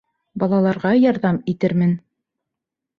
Балаға ярҙам итермен.